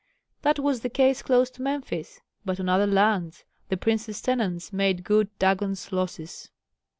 That was the case close to Memphis, but on other lands the prince's tenants made good Dagon's losses.